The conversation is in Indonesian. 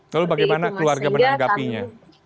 lalu bagaimana keluarga menanggapinya